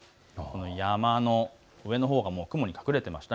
山の上のほうが雲に隠れていました。